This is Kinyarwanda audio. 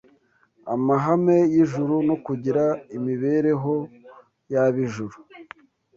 amahame y’ijuru no kugira imibereho y’ab’ijuru.